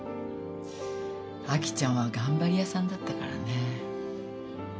アキちゃんは頑張り屋さんだったからねえ。